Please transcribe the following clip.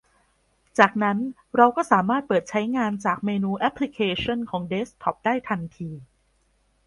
จากนั้นเราก็สามารถเปิดใช้งานจากเมนูแอปพลิเคชันของเดสก์ท็อปได้ทันที